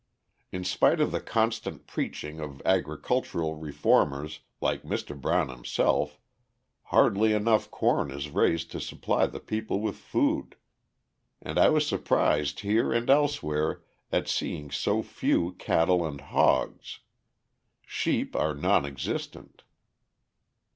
In spite of the constant preaching of agricultural reformers, like Mr. Brown himself, hardly enough corn is raised to supply the people with food, and I was surprised here and elsewhere at seeing so few cattle and hogs. Sheep are non existent.